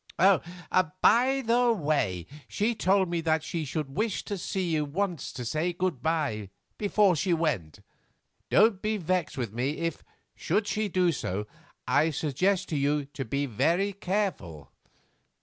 By the way, she told me that she should wish to see you once to say good bye before she went. Don't be vexed with me if, should she do so, I suggest to you to be very careful.